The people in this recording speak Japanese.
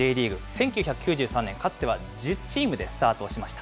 １９９３年、かつては１０チームでスタートしました。